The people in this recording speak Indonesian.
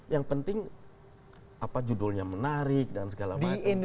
yang penting apa judulnya menarik dan segala macam